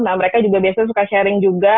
nah mereka juga biasanya suka sharing juga